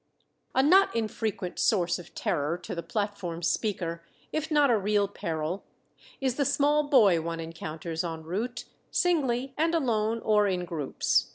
_" A not infrequent source of terror to the platform speaker, if not a real peril, is the small boy one encounters en route, singly and alone or in groups.